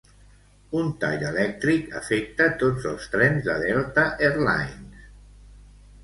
Un tall elèctric afecta tots els trens de Delta Airlines.